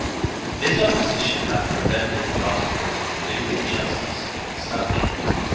This opposition has prevented philosophers from doing justice to the subject.